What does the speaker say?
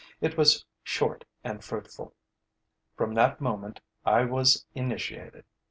It was short and fruitful. From that moment, I was initiated.